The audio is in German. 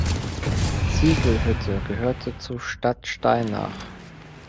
Ziegelhütte gehörte zu Stadtsteinach.